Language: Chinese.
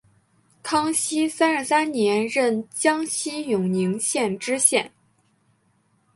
康熙三十三年任江西永宁县知县。